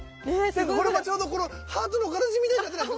なんかこれもちょうどこのハートの形みたいになってます。